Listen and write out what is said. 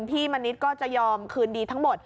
มณิษฐ์ก็จะยอมคืนดีทั้งหมด